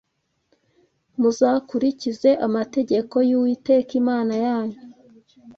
Muzakurikize amategeko y’Uwiteka Imana yanyu.”